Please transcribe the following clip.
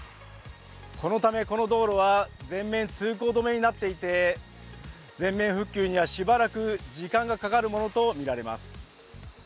このため、この道路は全面通行止めになっていて、全面復旧にはしばらく時間がかかるものとみられます。